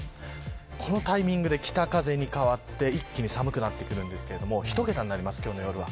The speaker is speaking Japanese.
このタイミングで北風に変わって一気に寒くなってくるんですがひと桁になります、今日の夜は。